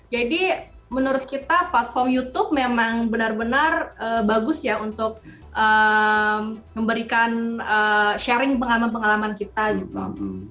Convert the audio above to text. jadi menurut kita platform youtube memang benar benar bagus ya untuk memberikan sharing pengalaman pengalaman kita gitu